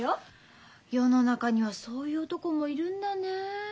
世の中にはそういう男もいるんだね。